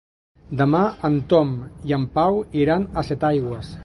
Demà en Tom i en Pau iran a Setaigües.